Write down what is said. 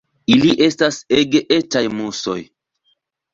Ili estas ege etaj muŝoj.